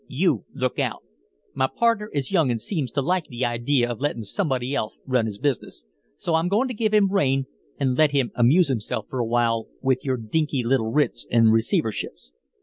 You look out! My pardner is young an' seems to like the idee of lettin' somebody else run his business, so I'm goin' to give him rein and let him amuse himself for a while with your dinky little writs an' receiverships.